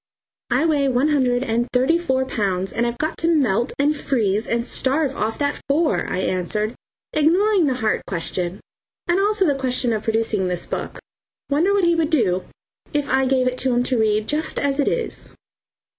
"I weigh one hundred and thirty four pounds, and I've got to melt and freeze and starve off that four," I answered, ignoring the heart question and also the question of producing this book. Wonder what he would do if I gave it to him to read just as it is?